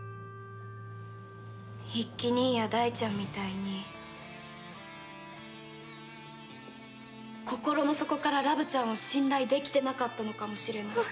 一輝兄や大ちゃんみたいに心の底からラブちゃんを信頼できてなかったのかもしれない。